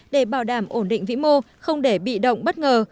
để bảo đảm ổn định vĩ mô không để bị động bất ngờ